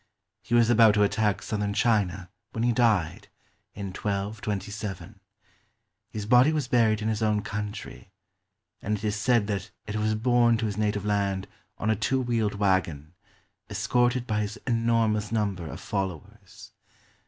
He was about to attack southern China when he died, in 1227. His body was buried in his own country, and it is said that it was borne to his native land on a two wheeled wagon, escorted by his enormous number of followers.